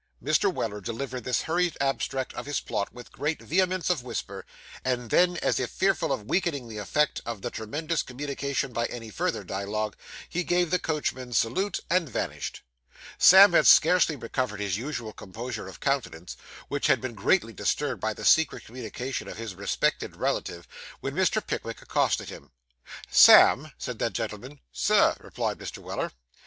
Mr. Weller delivered this hurried abstract of his plot with great vehemence of whisper; and then, as if fearful of weakening the effect of the tremendous communication by any further dialogue, he gave the coachman's salute, and vanished. Sam had scarcely recovered his usual composure of countenance, which had been greatly disturbed by the secret communication of his respected relative, when Mr. Pickwick accosted him. 'Sam,' said that gentleman. 'Sir,' replied Mr. Weller.